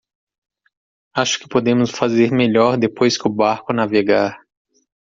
Acho que podemos fazer melhor depois que o barco navegar.